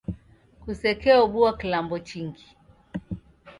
Kusekeobua kilambo chingi